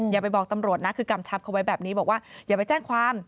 อย่าไปบอกตำรวจนะคือกำชับเขาไว้แบบนี้บอกว่าอย่าไปแจ้งความ